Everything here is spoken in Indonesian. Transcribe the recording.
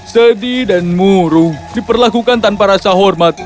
sedih dan muruh diperlakukan tanpa rasa hormat